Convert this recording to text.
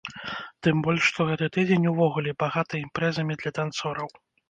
Тым больш што гэты тыдзень увогуле багаты імпрэзамі для танцораў.